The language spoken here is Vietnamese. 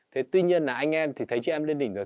thế tuy nhiên là anh em thì thấy chị em lên đỉnh rồi